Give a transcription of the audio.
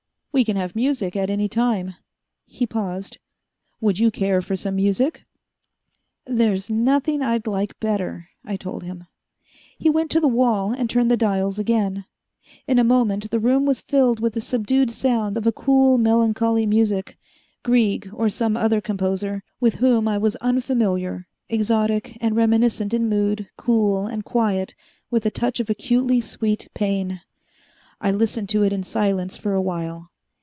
We can have music at any time " He paused. "Would you care for some music?" "There's nothing I'd like better," I told him. He went to the wall and turned the dials again. In a moment the room was filled with the subdued sound of a cool, melancholy music Grieg, or some other composer, with whom I was unfamiliar, exotic and reminiscent in mood, cool, and quiet with a touch of acutely sweet pain. I listened to it in silence for a while.